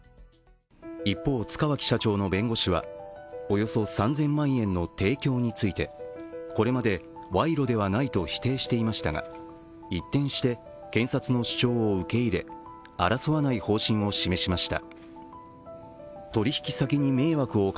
一方、塚脇社長の弁護士はおよそ３０００万円の提供についてこれまで賄賂ではないと否定していましたが一転して検察の主張を受け入れ争わない方針を示しました。